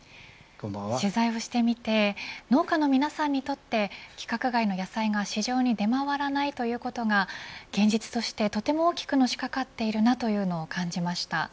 取材をしてみて農家の皆さんにとって規格外の野菜が市場に出回らないということが現実としてとても大きくのしかかっているなというのを感じました。